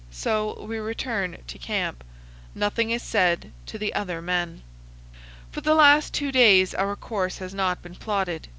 So we return to camp. Nothing is said to the other men. For the last two days our course has not been plotted.